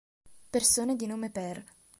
Persone di nome Per